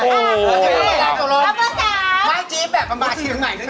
เก่งเลือกเบอร์๓แล้วจิ๊บแบบมาชิมใหม่นิดนึง